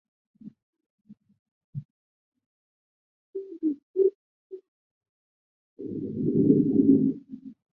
和维吉尼亚的切塞皮克湾桥梁及隧道。